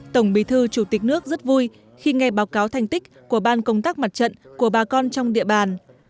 tổng bí thư chủ tịch nước rất vui khi nghe báo cáo thành tích của ban công tác mặt trận của bà con trong địa bàn